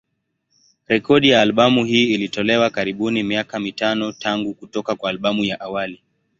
Rekodi ya albamu hii ilitolewa karibuni miaka mitano tangu kutoka kwa albamu ya awali.